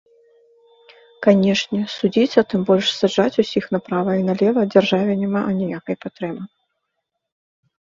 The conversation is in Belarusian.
Канешне, судзіць, а тым больш саджаць усіх направа і налева дзяржаве няма аніякай патрэбы.